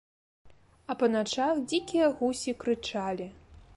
А па начах дзікія гусі крычалі.